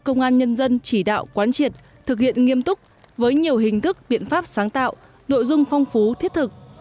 công an nhân dân chỉ đạo quán triệt thực hiện nghiêm túc với nhiều hình thức biện pháp sáng tạo nội dung phong phú thiết thực